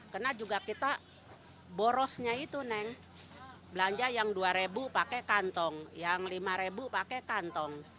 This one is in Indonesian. karena juga kita borosnya itu neng belanja yang rp dua pakai kantong yang rp lima pakai kantong